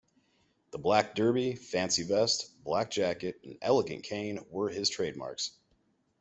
The black derby, fancy vest, black jacket, and elegant cane were his trademarks.